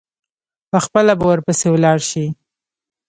پخپله به ورپسي ولاړ شي.